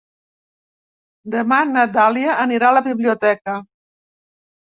Demà na Dàlia anirà a la biblioteca.